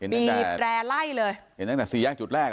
บีบแร่ไล่เลยเห็นตั้งแต่สี่แยกจุดแรก